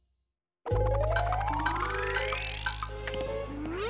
うん。